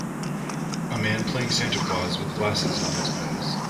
A man playing Santa Clause with glasses on his nose.